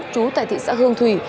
chú tại thị xã hương thủy